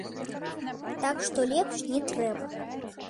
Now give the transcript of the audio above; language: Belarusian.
Так што лепш не трэба.